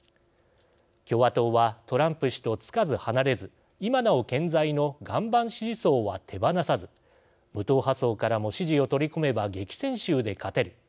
共和党はトランプ氏とつかず離れず今なお健在の岩盤支持層は手放さず無党派層からも支持を取り込めば激戦州で勝てる。